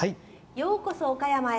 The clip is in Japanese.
「ようこそ、岡山へ。